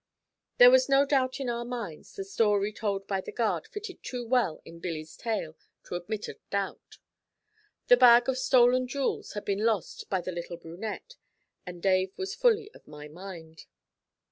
There was no doubt in our minds, the story told by the guard fitted too well in Billy's tale to admit of doubt. The bag of stolen jewels had been lost by the little brunette, and Dave was fully of my mind.